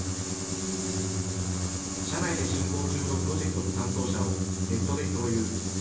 社内で進行中のプロジェクトと担当者をネットで共有。